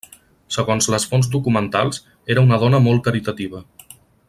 Segons les fonts documentals, era una dona molt caritativa.